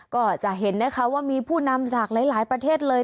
ก็จะเห็นนะคะว่ามีผู้นำจากหลายประเทศเลย